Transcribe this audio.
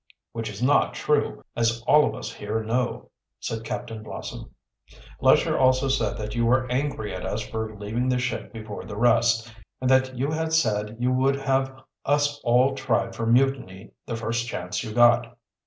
"Which is not true, as all of us here know," said Captain Blossom. "Lesher also said that you were angry at us for leaving the ship before the rest, and that you had said you would have us all tried for mutiny the first chance you got.